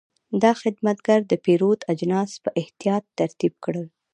دا خدمتګر د پیرود اجناس په احتیاط ترتیب کړل.